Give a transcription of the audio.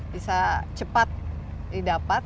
bisa cepat didapat